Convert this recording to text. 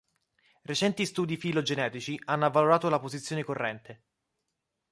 Recenti studi filo-genetici hanno avvalorato la posizione corrente.